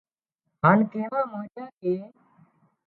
هانَ ڪيوا مانڏيان ڪي